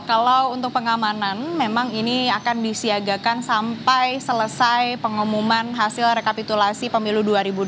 kalau untuk pengamanan memang ini akan disiagakan sampai selesai pengumuman hasil rekapitulasi pemilu dua ribu dua puluh